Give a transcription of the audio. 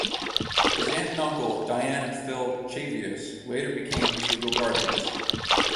His aunt and uncle, Dianne and Phil Cheavious, later became his legal guardians.